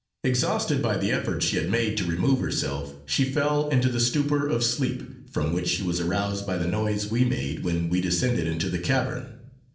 Exhausted by the efforts she had made to remove herself, she fell into the stupor of sleep, from which she was aroused by the noise we made when we descended into the cavern.